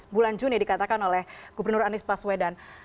bulan juni dikatakan oleh gubernur anies baswedan